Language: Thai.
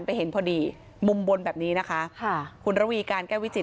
เห็นพอดีมุมบนแบบนี้นะคะค่ะคุณระวีการแก้ววิจิต